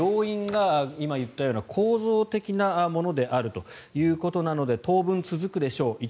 要因が今言ったような構造的なものであるということなので当分続くでしょう。